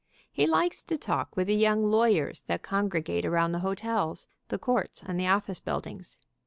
He likes to talk with the young lawyers that congregate around the hotels, the courts and the office buildings.